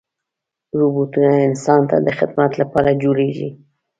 روبوټونه انسان ته د خدمت لپاره جوړېږي.